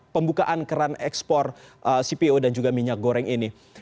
pembukaan keran ekspor cpo dan juga minyak goreng ini